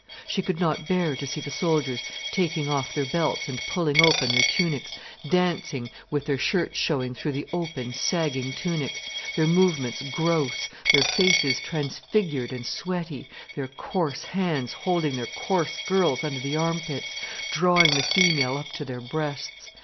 She could not bear to see the soldiers taking off their belts and pulling open their tunics, dancing with their shirts showing through the open, sagging tunic, their movements gross, their faces transfigured and sweaty, their coarse hands holding their coarse girls under the arm pits, drawing the female up to their breasts.